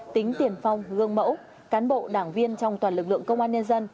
tính tiền phong gương mẫu cán bộ đảng viên trong toàn lực lượng công an nhân dân